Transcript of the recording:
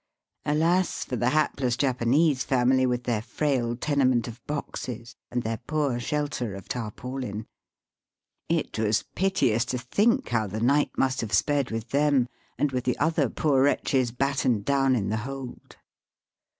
Alas for the hapless Japanese family with their frail tenement of boxes, and their poor shelter of tarpaulin ! It was piteous to think Digitized by VjOOQIC 46 EAST BY WEST. how the night must have sped with them and with the other poor wretches battened down in the hold.